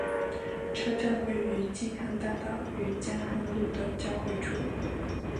车站位于京汉大道与江汉路的交汇处。